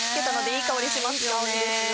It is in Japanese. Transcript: いい香りですよ。